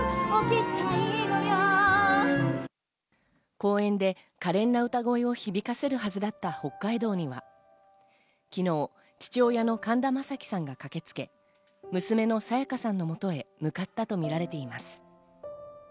公演で華麗な歌声を響かせるはずだった北海道には、昨日、父親の神田正輝さんが駆けつけ、娘の沙也加さんの元へ向かったとみられています。